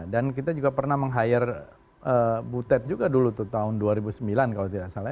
dan kita juga pernah meng hire budet juga dulu tuh tahun dua ribu sembilan kalau tidak salah